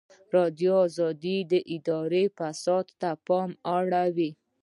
ازادي راډیو د اداري فساد ته پام اړولی.